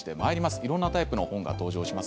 いろんなタイプの本が登場します。